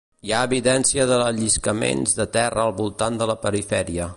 Hi ha evidència de lliscaments de terra al voltant de la perifèria.